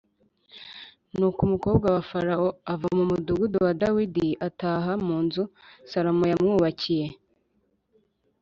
Nuko umukobwa wa Farawo ava mu mudugudu wa Dawidi ataha mu nzu Salomo yamwubakiye